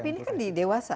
tapi ini kan di dewasa